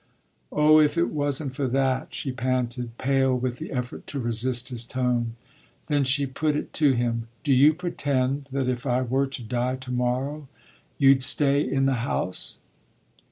"Oh if it wasn't for that!" she panted, pale with the effort to resist his tone. Then she put it to him: "Do you pretend that if I were to die to morrow you'd stay in the House?"